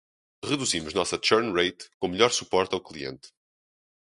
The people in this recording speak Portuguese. Reduzimos nossa churn rate com melhor suporte ao cliente.